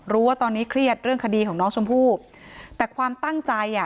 รู้ว่าตอนนี้เครียดเรื่องคดีของน้องชมพู่แต่ความตั้งใจอ่ะ